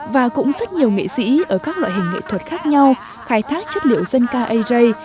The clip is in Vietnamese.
và cũng rất nhiều nghệ sĩ ở các loại hình nghệ thuật khác nhau khai thác chất liệu dân ca ây